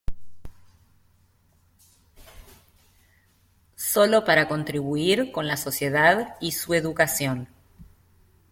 Solo para contribuir con la sociedad y su educación.